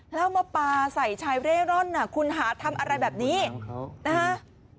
แล้วมาปลาใส่ชายเร่ร่อนคุณหาทำอะไรแบบนี้นะฮะ